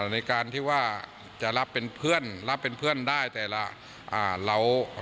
ในการที่ว่าจะรับเป็นเพื่อนรับเป็นเพื่อนได้แต่ละเรา